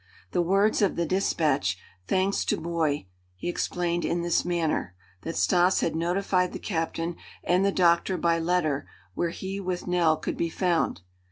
The words of the despatch, "Thanks to boy," he explained in this manner: that Stas had notified the captain and the doctor by letter where he with Nell could be found.